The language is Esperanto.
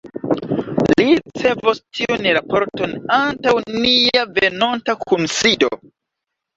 Vi ricevos tiun raporton antaŭ nia venonta kunsido.